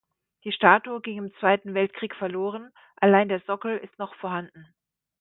Die Statue ging im Zweiten Weltkrieg verloren, allein der Sockel ist noch vorhanden.